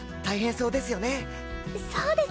そうですね。